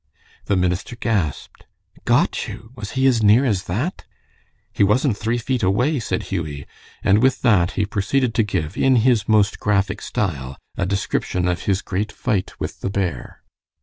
The minister gasped. "Got you? Was he as near as that?" "He wasn't three feet away," said Hughie, and with that he proceeded to give, in his most graphic style, a description of his great fight with the bear.